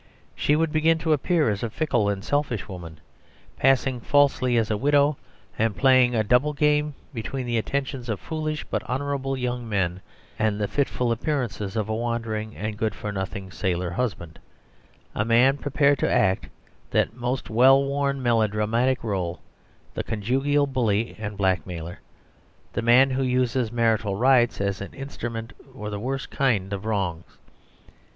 She would begin to appear as a fickle and selfish woman, passing falsely as a widow, and playing a double game between the attentions of foolish but honourable young men, and the fitful appearances of a wandering and good for nothing sailor husband; a man prepared to act that most well worn of melodramatic rôles, the conjugal bully and blackmailer, the man who uses marital rights as an instrument for the worse kind of wrongs.